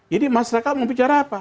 jadi masyarakat mau bicara apa